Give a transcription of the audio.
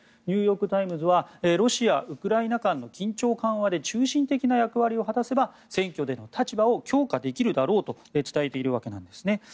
ニューヨーク・タイムズはロシアウクライナ間の緊張緩和で中心的な役割を果たせば選挙での立場を強化できるだろうと伝えているわけなんですね。